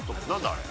あれ。